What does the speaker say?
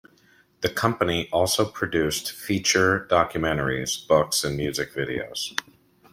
The company also produced feature documentaries, books and music videos.